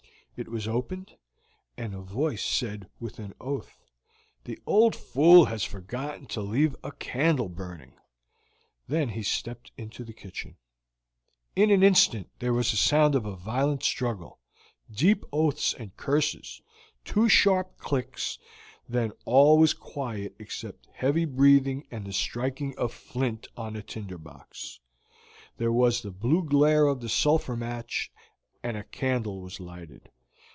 It was opened, and a voice said with an oath, "The old fool has forgotten to leave a candle burning;" then he stepped into the kitchen. In an instant there was a sound of a violent struggle, deep oaths and curses, two sharp clicks, then all was quiet except heavy breathing and the striking of flint on a tinderbox; there was the blue glare of the sulphur match, and a candle was lighted.